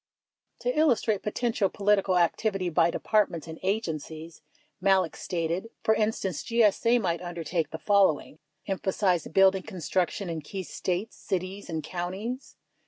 To illustrate potential political activity by Departments and Agen cies, Malek stated : For instance, GSA might undertake the following :— Emphasize building construction in key States, cities, and counties.